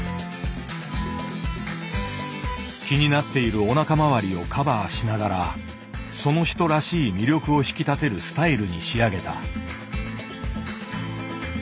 気になっているおなか回りをカバーしながらその人らしい魅力を引き立てるスタイルに仕上げた。